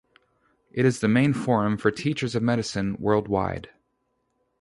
It is the main forum for teachers of medicine worldwide.